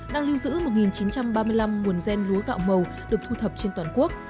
đang lưu giữ một chín trăm ba mươi năm nguồn gen lúa gạo màu được thu thập trên toàn quốc